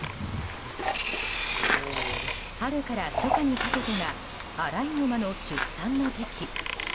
春から初夏にかけてがアライグマの出産の時期。